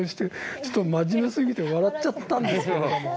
ちょっと真面目すぎて笑っちゃったんですけれども。